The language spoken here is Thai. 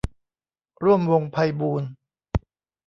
ร่วมวงศ์ไพบูลย์